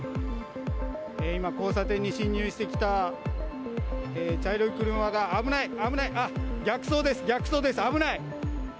今、交差点に進入してきた茶色い車が、危ない、危ない、逆走です、逆走です、危ない。